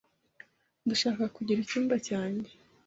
Ndashaka kugira icyumba cyanjye.